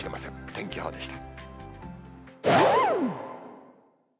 天気予報でした。